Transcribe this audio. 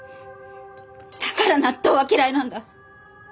だから納豆は嫌いなんだ！